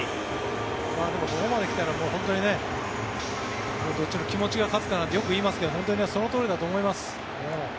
でも、ここまで来たら本当にね、どっちの気持ちが勝つかなんてよく言いますが本当にそのとおりだと思います。